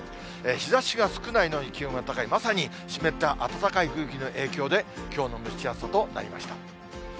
日ざしが少ないのに、気温が高い、まさに湿った暖かい空気の影響で、きょうの蒸し暑さとなりました。